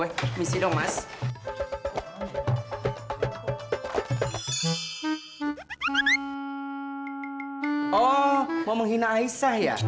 oh mau menghina aisyah ya